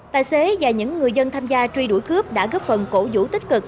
tài xế và những người dân tham gia truy đuổi cướp đã góp phần cổ vũ tích cực